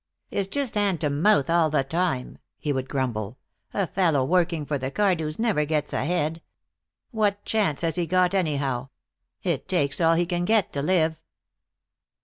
"It's just hand to mouth all the time," he would grumble. "A fellow working for the Cardews never gets ahead. What chance has he got, anyhow? It takes all he can get to live."